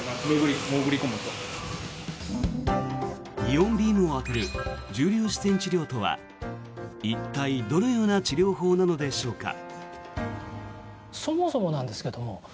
イオンビームを当てる重粒子線治療とは一体、どのような治療法なのでしょうか。